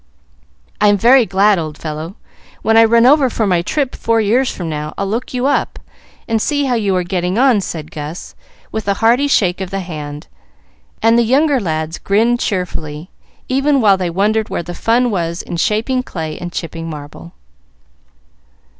"I'm very glad, old fellow. When I run over for my trip four years from now, I'll look you up, and see how you are getting on," said Gus, with a hearty shake of the hand; and the younger lads grinned cheerfully, even while they wondered where the fun was in shaping clay and chipping marble.